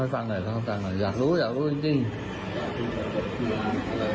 ฟังหน่อยครับฟังหน่อยอยากรู้อยากรู้จริงจริง